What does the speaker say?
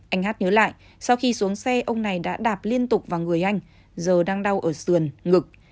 anh hát nhớ lại sau khi xuống xe ông này đã đạp liên tục vào người anh giờ đang đau ở sườn ngực